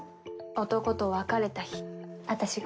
男と別れた日私が。